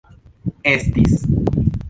estis